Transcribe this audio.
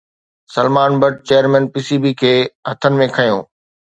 Salman Butt chairman P C B کي هٿن ۾ کنيو